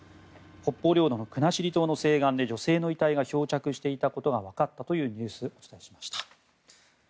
北方領土の国後島の西岸で女性の遺体が漂着していたことが分かったというニュースお伝えしました。